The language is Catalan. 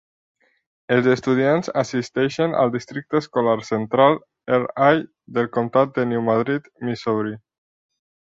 Els estudiants assisteixen al districte escolar central R-I del comtat de New Madrid, Missouri.